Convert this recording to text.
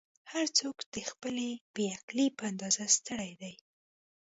"هر څوک د خپلې بې عقلۍ په اندازه ستړی دی.